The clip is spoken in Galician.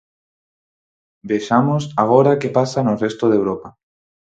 Vexamos agora que pasa no resto de Europa.